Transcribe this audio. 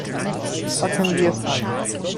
Packen wir es an!